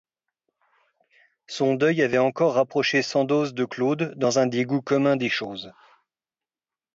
Son deuil avait encore rapproché Sandoz de Claude, dans un dégoût commun des choses.